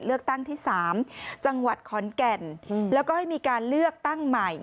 เลือกตั้งที่๓จังหวัดขอนแก่นแล้วก็ให้มีการเลือกตั้งใหม่